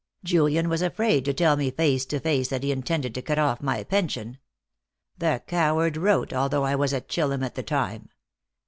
"Julian was afraid to tell me face to face that he intended to cut off my pension. The coward wrote, although I was at Chillum at the time.